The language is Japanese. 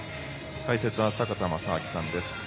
解説は坂田正彰さんです。